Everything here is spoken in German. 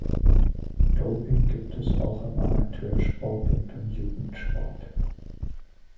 Doping gibt es auch im Amateursport und im Jugendsport.